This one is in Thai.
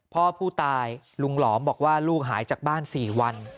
พ่อผู้ตายลุงหลอมบอกว่าลูกหายจากบ้าน๔วัน